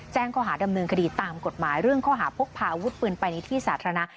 ข้อหาดำเนินคดีตามกฎหมายเรื่องข้อหาพกพาอาวุธปืนไปในที่สาธารณะ